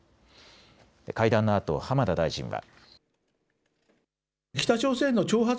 会談のあと浜田大臣は。